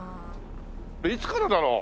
いつからだろう？